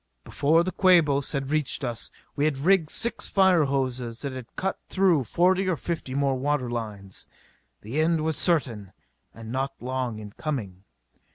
Before the Quabos had reached us we had rigged six fire hoses and had cut through forty or fifty more water lines. The end was certain and not long in coming.